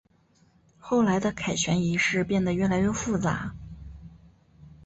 后来的凯旋仪式变得越来越复杂。